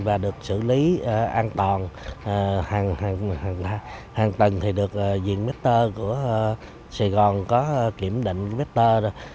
và được xử lý an toàn hàng tầng thì được diện vector của sài gòn có kiểm định vector